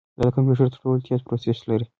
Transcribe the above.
دا کمپیوټر تر ټولو تېز پروسیسر لري.